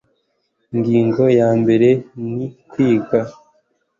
ingingo yambere ni kwiga